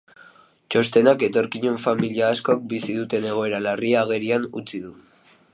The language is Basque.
Txostenak etorkinen familia askok bizi duten egoera larria agerian utzi du.